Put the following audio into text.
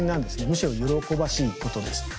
むしろ喜ばしいことです。